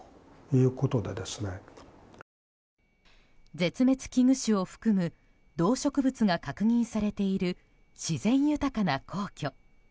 絶滅危惧種を含む動植物が確認されている自然豊かな皇居。